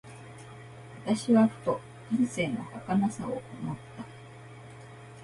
私はふと、人生の儚さを思った。